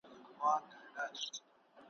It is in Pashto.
څښتن مي لا هم نه پېژنم `